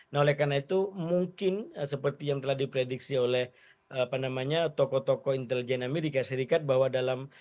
nah oleh karena itu mungkin seperti yang telah diprediksi oleh tokoh tokoh intelijen amerika serikat bahwa dalam